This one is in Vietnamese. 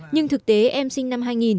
nhưng thực tế em sinh năm hai nghìn